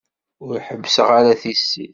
Ur ḥebbseɣ ara tissit.